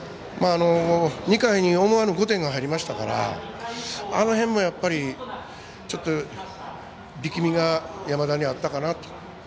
２回に思わぬ５点が入りましたからあの辺もやっぱりちょっと、力みが山田にあったかなと。